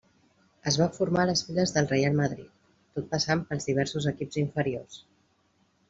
Es va formar a les files del Reial Madrid, tot passant pels diversos equips inferiors.